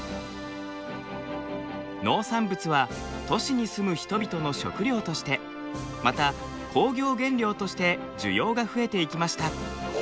農産物は都市に住む人々の食料としてまた工業原料として需要が増えていきました。